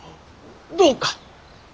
どうか！